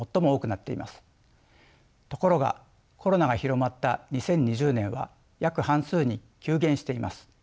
ところがコロナが広まった２０２０年は約半数に急減しています。